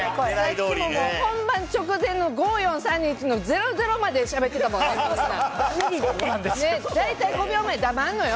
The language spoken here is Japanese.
本番直前の５、４、３、２、１のゼロゼロまでしゃべってたもんね、みんな。